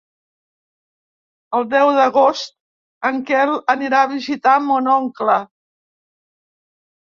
El deu d'agost en Quel anirà a visitar mon oncle.